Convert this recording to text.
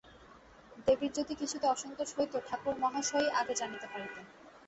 দেবীর যদি কিছুতে অসন্তোষ হইত ঠাকুরমহাশয়ই আগে জানিতে পাইতেন।